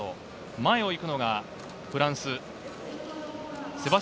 前を行くのがフランス。